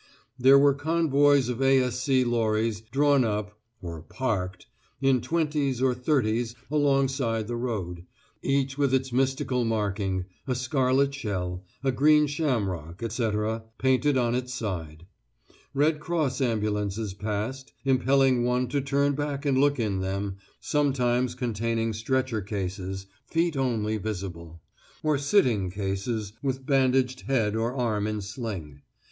There were convoys of A.S.C. lorries, drawn up (or "parked") in twenties or thirties alongside the road, each with its mystical marking, a scarlet shell, a green shamrock, etc., painted on its side; Red Cross ambulances passed, impelling one to turn back and look in them, sometimes containing stretcher cases (feet only visible), or sitting cases with bandaged head or arm in sling.